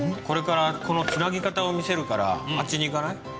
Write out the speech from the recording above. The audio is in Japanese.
これからこのつなぎ方を見せるからあっちに行かない？